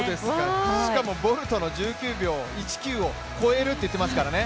しかもボルトの１９秒１９を超えるって言ってますからね。